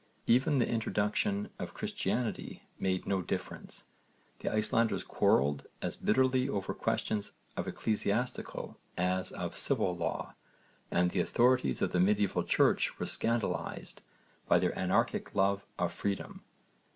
Even the introduction of Christianity made no difference: the Icelanders quarrelled as bitterly over questions of ecclesiastical as of civil law and the authorities of the medieval Church were scandalised by their anarchic love of freedom.